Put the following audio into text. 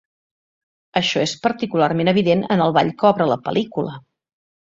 Això és particularment evident en el ball que obre la pel·lícula.